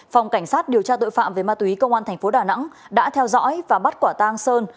phòng cảnh sát điều tra tội phạm về ma túy công an thành phố đà nẵng đã theo dõi và bắt quả tang sơn